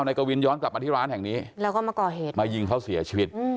กวินย้อนกลับมาที่ร้านแห่งนี้แล้วก็มาก่อเหตุมายิงเขาเสียชีวิต